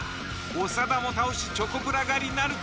長田も倒しチョコプラ狩りなるか？